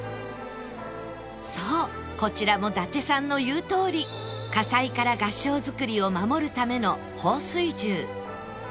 こちらも伊達さんの言うとおり火災から合掌造りを守るための放水銃